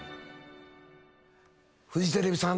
フジテレビさん。